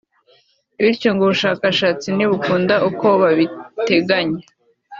bityo ngo ubushakashatsi ni bukunda uko babiteganya